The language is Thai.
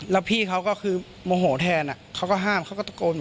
แล้วพี่เขาก็คือโมโหแทนเขาก็ห้ามเขาก็ตะโกน